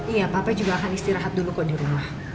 iya papa juga akan istirahat dulu kok dirumah